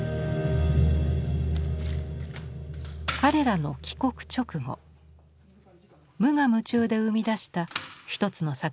彼らの帰国直後無我夢中で生み出した一つの作品がある。